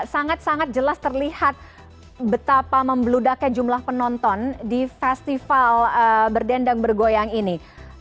sangat sangat jelas terlihat betapa membeludaknya jumlah penonton di festival berdendang bergoyang ini